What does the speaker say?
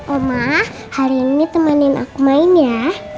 oma hari ini temanin aku main ya